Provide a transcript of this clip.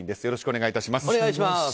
よろしくお願いします。